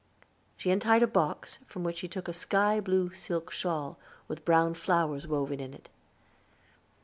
She untied a box, from which she took a sky blue silk shawl, with brown flowers woven in it.